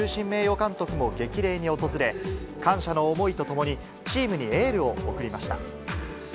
名誉監督も激励に訪れ、感謝の思いとともに、チームにエールを送りました。